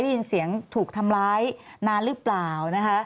ได้ยินเสียงถูกทำร้ายนานหรือเปล่านะคะ